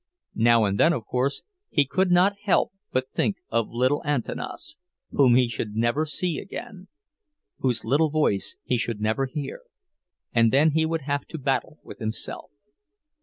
Now and then, of course, he could not help but think of little Antanas, whom he should never see again, whose little voice he should never hear; and then he would have to battle with himself.